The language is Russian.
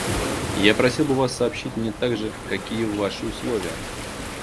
Я просил бы вас сообщить мне также, какие ваши условия.